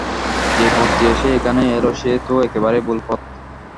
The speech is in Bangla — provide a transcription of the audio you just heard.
যে পথ দিয়ে সে এখানে এল সে তো একেবারেই ভুল পথ।